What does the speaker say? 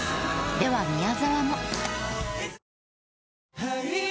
では宮沢も。